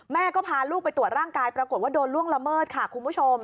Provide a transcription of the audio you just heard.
แม่ก็พาลูกไปตรวจร่างกายปรากฏว่าโดนล่วงละเมิดค่ะคุณผู้ชม